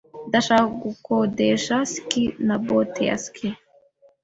Ndashaka gukodesha skisi na bote ya ski.